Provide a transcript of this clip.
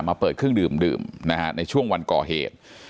เปิดเครื่องดื่มดื่มนะฮะในช่วงวันก่อเหตุ